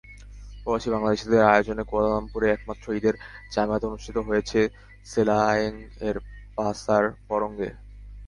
প্রবাসী বাংলাদেশিদের আয়োজনে কুয়ালালামপুরের একমাত্র ঈদের জামায়াত অনুষ্ঠিত হয়েছে সেলায়েং-এর পাসার বরং-এ।